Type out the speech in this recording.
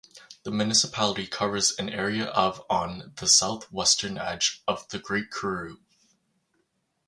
The municipality covers an area of on the south-western edge of the Great Karoo.